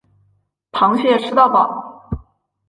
螃蟹吃到饱